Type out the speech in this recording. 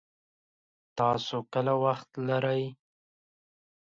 تاسو کله وخت لري